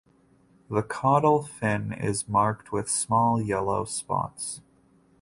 The caudal fin is marked with small yellow spots.